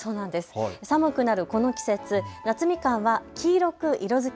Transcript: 寒くなるこの季節、夏みかんは黄色く色づき